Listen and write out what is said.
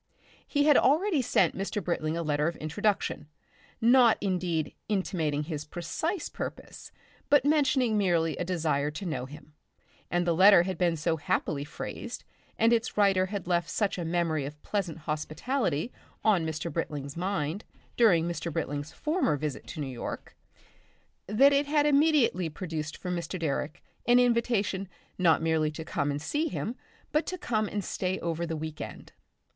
He had already sent Mr. Britling a letter of introduction, not indeed intimating his precise purpose, but mentioning merely a desire to know him, and the letter had been so happily phrased and its writer had left such a memory of pleasant hospitality on Mr. Britling's mind during Mr. Britling's former visit to New York, that it had immediately produced for Mr. Direck an invitation not merely to come and see him but to come and stay over the week end.